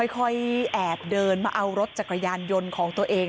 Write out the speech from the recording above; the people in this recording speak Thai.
ค่อยแอบเดินมาเอารถจักรยานยนต์ของตัวเอง